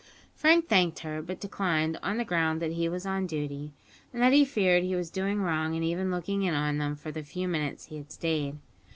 Frank thanked her, but declined, on the ground that he was on duty, and that he feared he was doing wrong in even looking in on them for the few minutes he had stayed.